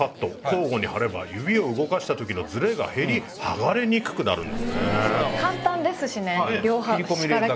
交互に貼れば指を動かした時のズレが減り剥がれにくくなるんですね。